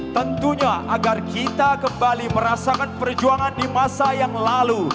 tentunya agar kita kembali merasakan perjuangan di masa yang lalu